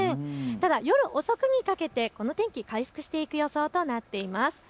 ただ夜遅くにかけて天気回復していく予想となっています。